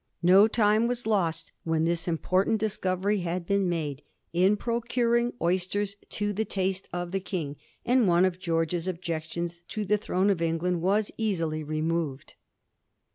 No time was lost, when this important discovery had been made, in procuring oysters to the taste of the King, and one of Greorge's objections to the throne of England was easily re moved.